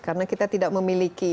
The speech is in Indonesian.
karena kita tidak memiliki